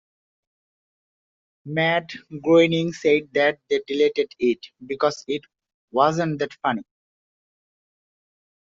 Matt Groening said that they deleted it because it "wasn't that funny".